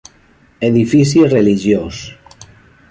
Edifici religiós.